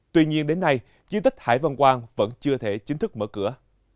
tuy nhiên đến nay di tích hải văn quang vẫn chưa thể chính thức mở cửa